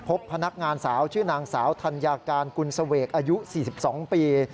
พบพนักงานสาวชื่อนางสาวธัญญาการกุลเสวกอายุ๔๒ปี